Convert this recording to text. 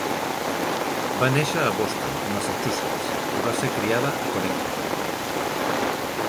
Va néixer a Boston, Massachusetts i va ser criada a Connecticut.